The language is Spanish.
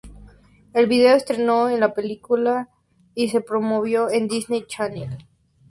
El video estrenó en la película y se lo promovió en Disney Channel.